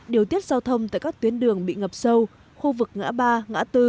điều tiết giao thông tại các tuyến đường bị ngập sâu khu vực ngã ba ngã tư